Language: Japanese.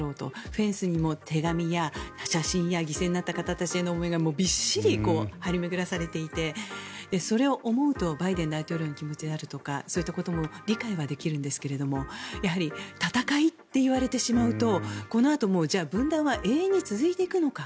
フェンスにも手紙や写真や犠牲になった方たちへの思いがびっしり張り巡らされていてそれを思うとバイデン大統領の気持ちであるとかそういったことも理解はできるんですがやはり戦いといわれてしまうとこのあと分断は永遠に続いていくのか。